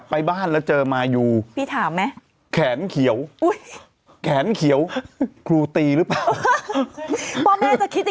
พ่อแม่จะคิดอย่างงี้กันก็ตอนนี้